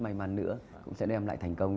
may mắn nữa cũng sẽ đem lại thành công